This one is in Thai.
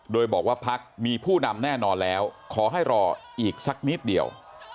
โดยบอกว่าพักมีผู้นำแน่นอนแล้วขอให้รออีกสักนิดเดียว